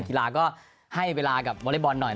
กีฬาก็ให้เวลากับวอเล็กบอลหน่อย